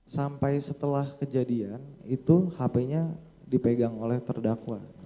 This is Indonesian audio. sampai setelah kejadian itu hp nya dipegang oleh terdakwa